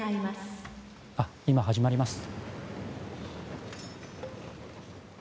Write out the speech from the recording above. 今、始まります。